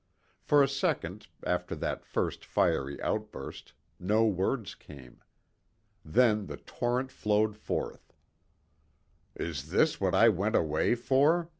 For a second, after that first fiery outburst, no words came. Then the torrent flowed forth. "Is this what I went away for?